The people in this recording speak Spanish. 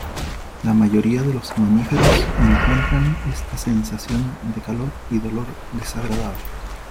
La mayoría de los mamíferos encuentran esta sensación de calor y dolor desagradable.